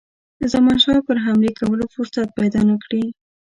زمانشاه پر حملې کولو فرصت پیدا نه کړي.